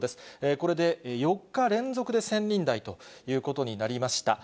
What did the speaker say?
これで４日連続で１０００人台ということになりました。